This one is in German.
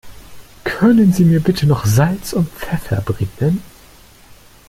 Können Sie mir bitte noch Salz und Pfeffer bringen?